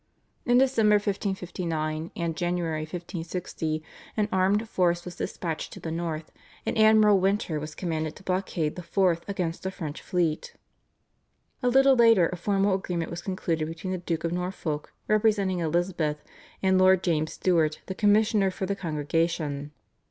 In December 1559 and January 1560, an armed force was dispatched to the north, and Admiral Winter was commanded to blockade the Forth against a French fleet. A little later a formal agreement was concluded between the Duke of Norfolk representing Elizabeth, and Lord James Stuart the commissioner for the Congregation.